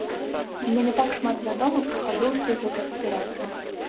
Мне не так шмат вядома пра хаду ўсіх гэтых аперацый.